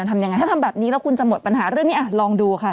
ทำยังไงถ้าทำแบบนี้แล้วคุณจะหมดปัญหาเรื่องนี้อ่ะลองดูค่ะ